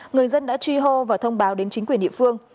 người dân đã truy hô và thông báo đến chính quyền địa phương